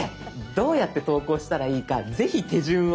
どうやって投稿したらいいかぜひ手順を。